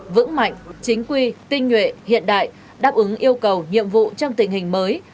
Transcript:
vững mạnh chính quy tinh nhuệ hiện đại đáp ứng yêu cầu nhiệm vụ trong tình hình mới